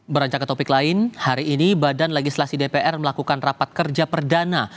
berancang ke topik lain hari ini badan legislasi dpr melakukan rapat kerja perdana